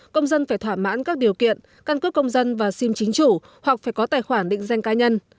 công dân phải thỏa mãn các điều kiện căn cước công dân và sim chính chủ hoặc phải có tài khoản định danh cá nhân